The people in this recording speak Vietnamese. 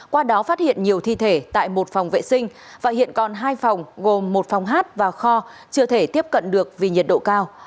qua đó phát hiện nhiều thi thể tại một phòng vệ sinh và hiện còn hai phòng gồm một phòng hát và kho chưa thể tiếp cận được vì nhiệt độ cao